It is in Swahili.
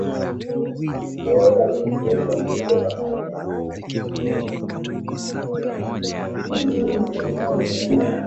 Zengi ya vivutio hufunguliwa baadaye na karibu